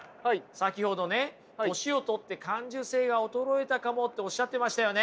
先ほどね年を取って感受性が衰えたかもっておっしゃってましたよね？